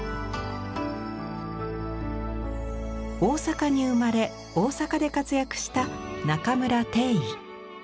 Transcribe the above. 大阪に生まれ大阪で活躍した中村貞以。